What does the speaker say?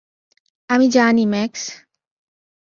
আমি জানি, ম্যাক্স।